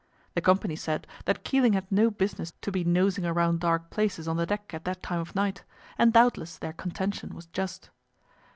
The company said that Keeling had no business to be nosing around dark places on the deck at that time of night, and doubtless their contention was just.